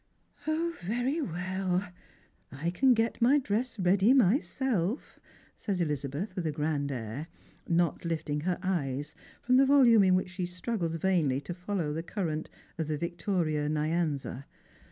"0, very well; I can get my dress ready myself," says Elizabeth with a grand air, not lifting her eyes from the volume in which she struggles vainly to follow the current of the Vic toria Njanza.